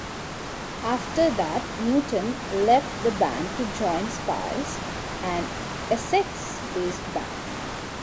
After that, Newton left the band to join Spice, an Essex-based band.